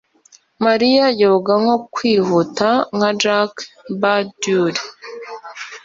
Mariya yoga nko kwihuta nka Jack BahDure